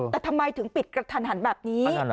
แต่ทำไมถึงปิดกระทันหันแบบนี้